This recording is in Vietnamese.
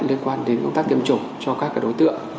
liên quan đến công tác tiêm chủng cho các đối tượng